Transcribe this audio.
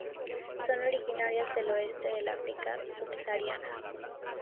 Son originarias del oeste del África subsahariana.